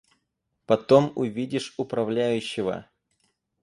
Потом увидишь управляющего.